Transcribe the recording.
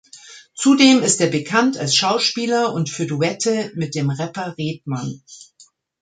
Zudem ist er bekannt als Schauspieler und für Duette mit dem Rapper Redman.